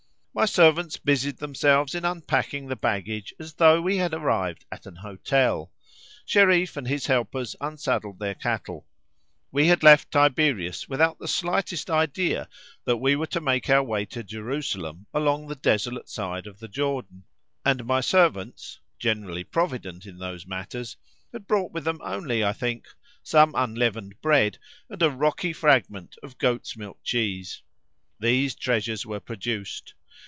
My servants busied themselves in unpacking the baggage as though we had arrived at an hotel—Shereef and his helpers unsaddled their cattle. We had left Tiberias without the slightest idea that we were to make our way to Jerusalem along the desolate side of the Jordan, and my servants (generally provident in those matters) had brought with them only, I think, some unleavened bread and a rocky fragment of goat's milk cheese. These treasures were produced.